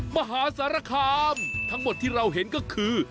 มหาสารคามทั้งหมดที่เราเห็นก็คือ